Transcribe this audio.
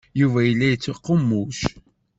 Yuba yella yettqummuc.